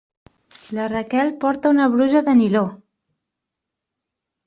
La Raquel porta una brusa de niló.